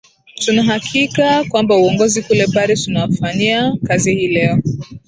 tunahakika kwamba uongozi kule paris unawafanyia kazi hii leo